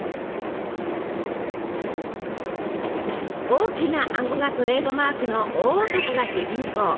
大きな顎がトレードマークの大男が主人公。